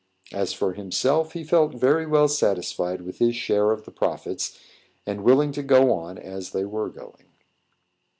As for himself, he felt very well satisfied with his share of the profits, and willing to go on as they were going.